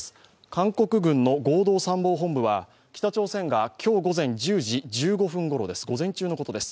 韓国軍の合同参謀本部は北朝鮮が今日午前１０時１５分ごろ、午前中のことです。